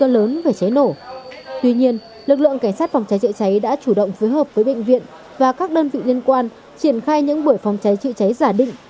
tuy nhiên lực lượng cảnh sát phòng cháy chữa cháy đã chủ động phối hợp với bệnh viện và các đơn vị liên quan triển khai những buổi phòng cháy chữa cháy giả định